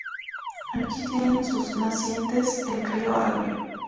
Aquí tienen sus nacientes el río Agrio.